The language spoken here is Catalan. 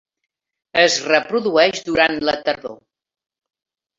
Es reprodueix durant la tardor.